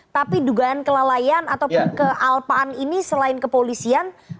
tapi dugaan kelalaian ataupun kealpaan ini selain kepolisian